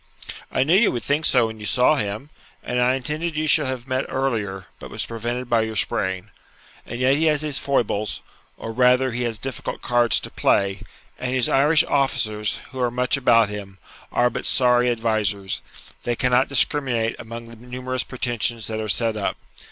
'I knew you would think so when you saw him, and I intended you should have met earlier, but was prevented by your sprain. And yet he has his foibles, or rather he has difficult cards to play, and his Irish officers, [Footnote: See Note 5.] who are much about him, are but sorry advisers: they cannot discriminate among the numerous pretensions that are set up.